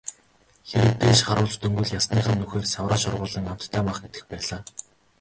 Хэрэв дээш харуулж дөнгөвөл ясных нь нүхээр савраа шургуулан амттай мах идэх байлаа.